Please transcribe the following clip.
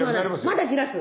まだじらす。